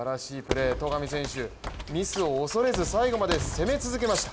戸上選手、ミスを恐れず最後まで攻め続けました。